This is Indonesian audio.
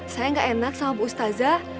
saya tidak enak sama bu ustazah